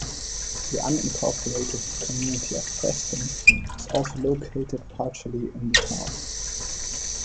The unincorporated community of Preston is also located partially in the town.